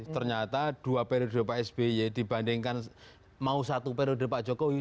ternyata dua periode pak sby dibandingkan mau satu periode pak jokowi